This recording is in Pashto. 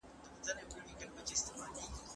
زه خپل هيواد ساتم.